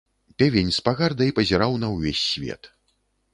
Певень з пагардай пазіраў на ўвесь свет.